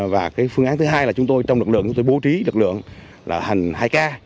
và phương án thứ hai là chúng tôi trong lực lượng chúng tôi bố trí lực lượng là thành hai k